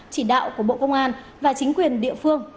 chỉ đạo của bộ công an và chính quyền địa phương